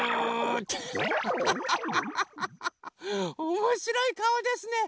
おもしろいかおですね。